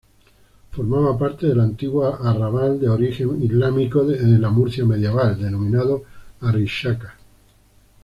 Formaba parte del antiguo arrabal de origen islámico de la Murcia medieval, denominado "Arrixaca".